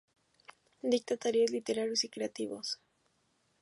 Dicta talleres literarios y creativos.